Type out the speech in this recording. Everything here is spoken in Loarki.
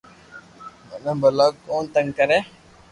مني ڀلا ڪو تنگ ڪري